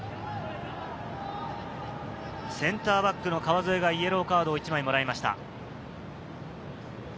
センターバックの川副がイエローカードを１枚もらいました。